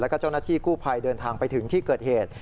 แล้วก็เจ้าหน้าที่กู้ภัยเดินทางไปถึงที่เกิดเหตุ